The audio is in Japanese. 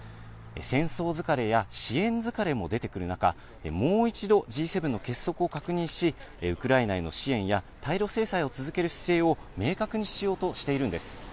戦争疲れや支援疲れも出てくる中、もう一度、Ｇ７の結束を確認し、ウクライナへの支援や対ロ制裁を続ける姿勢を明確にしようとしているんです。